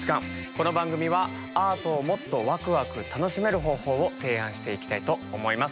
この番組はアートをもっとワクワク楽しめる方法を提案していきたいと思います。